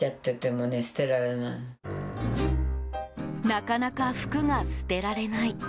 なかなか服が捨てられない。